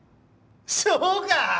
そうか！